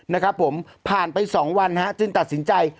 นะครับผมผ่านไป๒วันฮะจึงตัดสินใจ